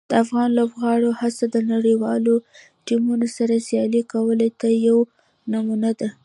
د افغان لوبغاړو هڅې د نړیوالو ټیمونو سره سیالي کولو ته یوه نمونه ده.